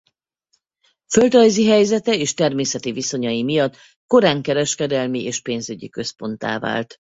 Földrajzi helyzete és természeti viszonyai miatt korán kereskedelmi és pénzügyi központtá vált.